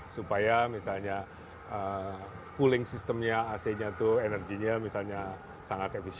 supaya misalnya cooling system nya ac nya itu energy nya misalnya